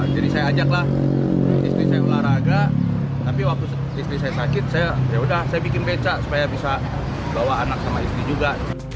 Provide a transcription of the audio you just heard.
jadi saya ajaklah istri saya olahraga tapi waktu istri saya sakit yaudah saya bikin beca supaya bisa bawa anak sama istri juga